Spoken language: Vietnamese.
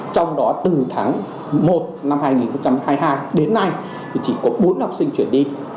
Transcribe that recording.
trong đó từ tháng một năm hai nghìn hai mươi hai đến nay thì chỉ có bốn học sinh chuyển đi